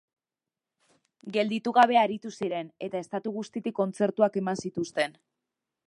Gelditu gabe aritu ziren eta estatu guztitik kontzertuak eman zituzten.